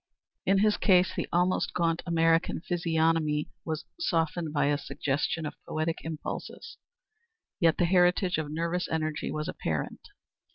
In his case the almost gaunt American physiognomy was softened by a suggestion of poetic impulses. Yet the heritage of nervous energy was apparent.